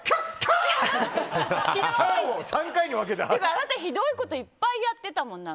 あなた、ひどいこといっぱい言ってたもん。